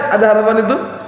ada harapan itu